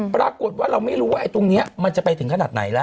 ปรากฏว่าเราไม่รู้ว่าไอ้ตรงนี้มันจะไปถึงขนาดไหนแล้ว